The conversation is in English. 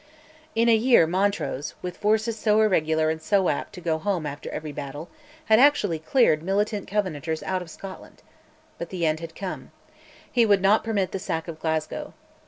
In a year Montrose, with forces so irregular and so apt to go home after every battle, had actually cleared militant Covenanters out of Scotland. But the end had come. He would not permit the sack of Glasgow.